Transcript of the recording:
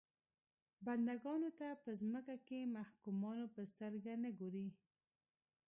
بنده ګانو ته په ځمکه کې محکومانو په سترګه نه ګوري.